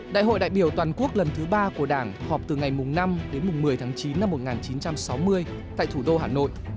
đại hội đại biểu toàn quốc lần thứ ba của đảng họp từ ngày năm đến một mươi tháng chín năm một nghìn chín trăm sáu mươi tại thủ đô hà nội